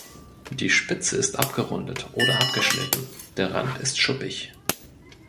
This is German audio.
Die Spitze ist abgerundet oder abgeschnitten, der Rand ist schuppig.